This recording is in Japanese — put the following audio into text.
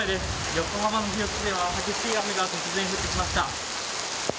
横浜の日吉では激しい雨が突然、降ってきました。